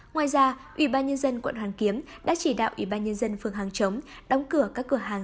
ngoài ra ubnd quận hoàng kiếm đã chỉ đạo ubnd phương hàng chống đóng cửa các cửa hàng